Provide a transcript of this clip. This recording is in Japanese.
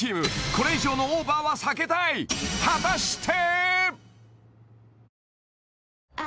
これ以上のオーバーは避けたい果たして？